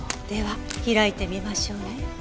では開いてみましょうね。